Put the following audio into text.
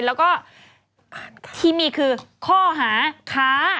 แล้วก็ที่มีคือข้อหาค้า